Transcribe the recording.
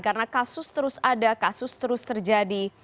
karena kasus terus ada kasus terus terjadi